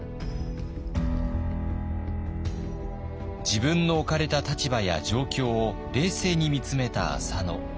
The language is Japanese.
自分の置かれた立場や状況を冷静に見つめた浅野。